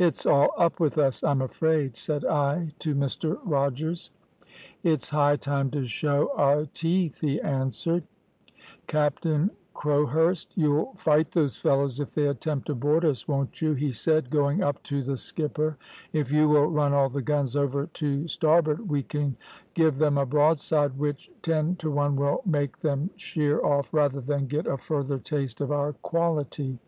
"`It's all up with us, I'm afraid,' said I to Mr Rogers. "`It's high time to show our teeth,' he answered. "`Captain Crowhurst, you'll fight those fellows if they attempt to board us, won't you?' he said, going up to the skipper. `If you will run all the guns over to starboard we can give them a broadside which ten to one will make them sheer off rather than get a further taste of our quality.'